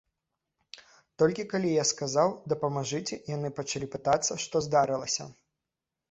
Толькі калі я сказаў, дапамажыце, яны пачалі пытацца, што здарылася.